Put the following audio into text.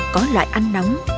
có loại ăn nóng